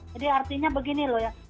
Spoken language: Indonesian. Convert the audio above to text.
jadi artinya begini loh ya